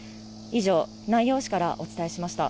以上、南陽市からお伝えしました。